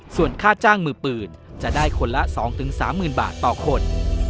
ส่วนค่าจ้างมือปืนจะได้คนละ๒๓๐๐๐บาทต่อคน